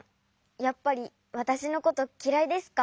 やっぱりわたしのこときらいですか？